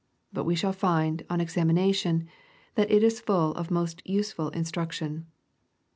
But we shall find, on examination, that it is full of most useful instruction.